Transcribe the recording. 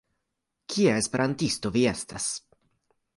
Kia Esperantisto vi estas?